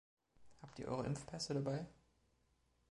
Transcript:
Habt ihr eure Impfpässe dabei?